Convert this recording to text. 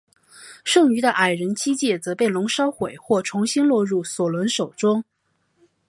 剩余的矮人七戒则被龙烧毁或重新落入索伦手中。